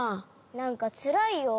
なんかつらいよ。